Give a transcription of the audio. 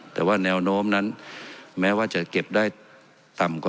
แต่ว่าแนวโน้มนั้นแม้ว่าจะเก็บได้ต่ำกว่า